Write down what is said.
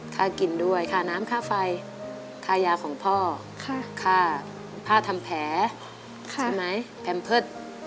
ค่ากินด้วยค่าน้ำค่าไฟค่ายาของพ่อค่าผ้าทำแผลใช่ไหมแพมเพิร์ต